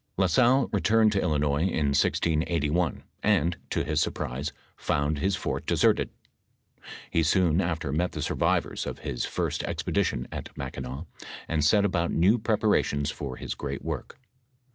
La Salle returned to Illinois in 1681, and, to his surprise, found his fort deserted. He soon after met the survivors of his first expedition at Mackinaw, and set about new prepara> tions for his great work.